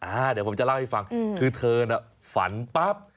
เดี๋ยวผมจะเล่าให้ฟังคือเธอน่ะฝันปั๊บ